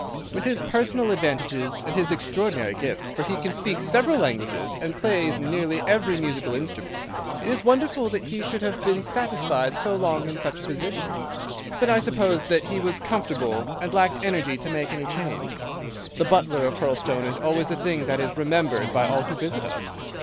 With his personal advantages and his extraordinary gifts—for he can speak several languages and play nearly every musical instrument—it is wonderful that he should have been satisfied so long in such a position, but I suppose that he was comfortable, and lacked energy to make any change. The butler of Hurlstone is always a thing that is remembered by all who visit us.